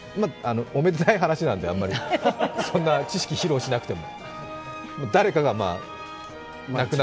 おめでたい話なんで、あんまり、そんな知識披露しなくても。